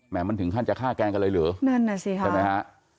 แหมงมันถึงขั้นจะฆ่าแกงกันเลยหรือใช่ไหมฮะ